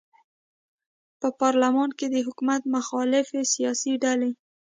په پارلمان کې د حکومت مخالفې سیاسي ډلې